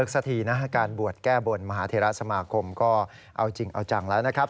สักทีนะการบวชแก้บนมหาเทราสมาคมก็เอาจริงเอาจังแล้วนะครับ